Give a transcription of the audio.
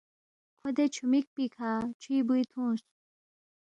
کھو دے چُھومِک پیکھہ چُھوی بُوی تُھونگس